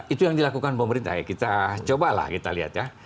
itu yang dilakukan pemerintah ya kita cobalah kita lihat ya